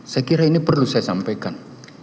saya kira ini perlu saya sampaikan